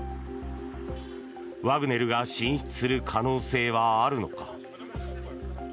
ワグネルが進出する可能性はあるのか。